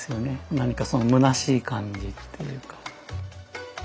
なにかそのむなしい感じっていうか。